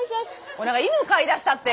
ほらなんか犬飼いだしたって。